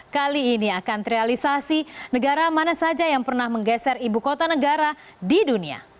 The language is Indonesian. kali ini akan terrealisasi negara mana saja yang pernah menggeser ibu kota negara di dunia